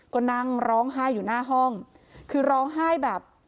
ก็นั่งร้องไห้อยู่หน้าห้องคือร้องไห้แบบ